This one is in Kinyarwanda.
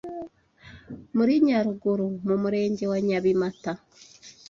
muri Nyaruguru mu murenge wa Nyabimata